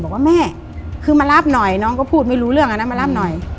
บอกว่าแม่คือมารับหน่อยน้องก็พูดไม่รู้เรื่องอันนั้นมารับหน่อย